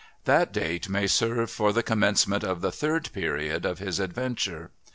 That date may serve for the commencement of the third period of his adventure.